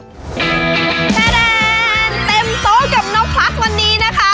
เต็มโต๊ะกับนกพลัสวันนี้นะคะ